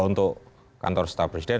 untuk kantor staff presiden